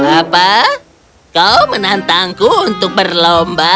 apa kau menantangku untuk berlomba